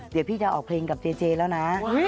เดี๋ยวพี่จะออกเพลงกับเจเจแล้วนะ